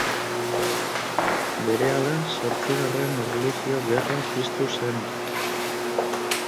Berehala Zortzigarren Erlijio gerra piztu zen.